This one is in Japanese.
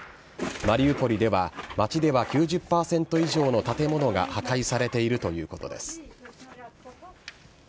マリウポリでは、街では９０％以上の建物が破壊されているということです。